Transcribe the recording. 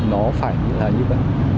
nó phải là như vậy